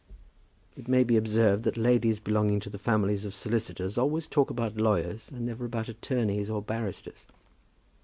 It may be observed that ladies belonging to the families of solicitors always talk about lawyers, and never about attorneys or barristers.